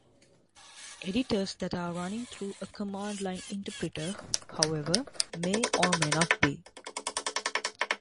Editors that are running through a command-line interpreter, however, may or may not be.